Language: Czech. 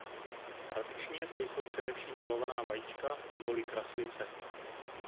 Tradičně to jsou především malovaná vajíčka neboli kraslice.